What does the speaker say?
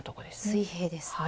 水平です。